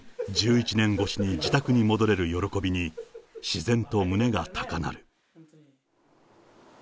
１１年越しに自宅に戻れる喜びに、自然と胸が高鳴る。